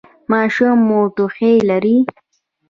ماشوم مو ټوخی لري؟